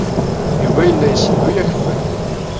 Yuba yella yessenduy akeffay.